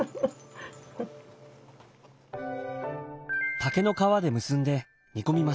竹の皮で結んで煮込みます。